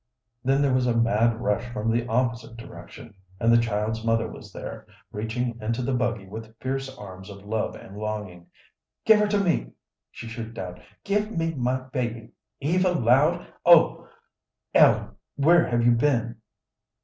Then there was a mad rush from the opposite direction, and the child's mother was there, reaching into the buggy with fierce arms of love and longing. "Give her to me!" she shrieked out. "Give me my baby, Eva Loud! Oh, Ellen, where have you been?"